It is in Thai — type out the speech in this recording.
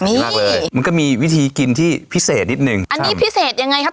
มากเลยมันก็มีวิธีกินที่พิเศษนิดนึงอันนี้พิเศษยังไงครับ